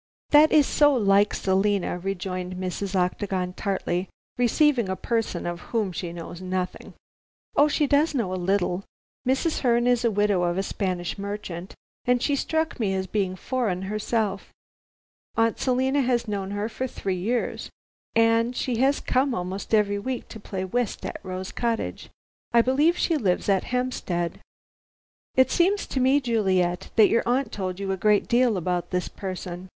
"That is so like Selina," rejoined Mrs. Octagon tartly, "receiving a person of whom she knows nothing." "Oh, she does know a little. Mrs. Herne is the widow of a Spanish merchant, and she struck me as being foreign herself. Aunt Selina has known her for three years, and she has come almost every week to play whist at Rose Cottage. I believe she lives at Hampstead!" "It seems to me, Juliet, that your aunt told you a great deal about this person.